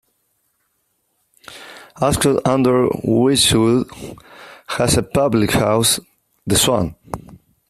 Ascott-under-Wychwood has a public house, The Swan.